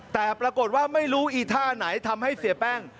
แต่ปรากฏว่าไม่รู้อีท่าไหนทำให้เสียแป้ง